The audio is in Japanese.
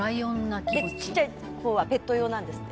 「でちっちゃいほうはペット用なんですって」